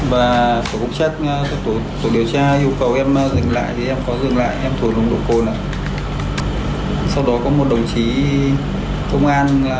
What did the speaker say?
và tổ công chất tổ điều tra yêu cầu em dừng lại thì em có dừng lại em thuộc nồng độ cồn